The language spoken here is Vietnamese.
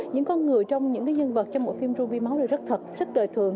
những con người trong những nhân vật trong bộ phim ruby máu rất thật rất đời thường